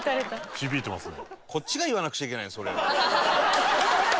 響いてますね。